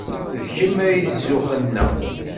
D kemm ay d zzux-nneɣ.